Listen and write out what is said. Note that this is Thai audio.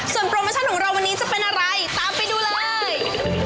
ส่วนโปรโมชั่นของเราวันนี้จะเป็นอะไรตามไปดูเลย